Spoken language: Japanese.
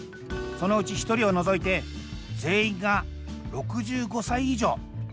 そのうち一人を除いて全員が６５歳以上。